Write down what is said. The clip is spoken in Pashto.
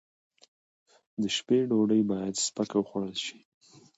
د شپې ډوډۍ باید سپکه وخوړل شي.